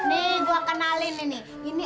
nih gua kenalin ini